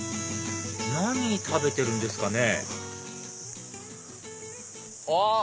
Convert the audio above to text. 何食べてるんですかねあっ！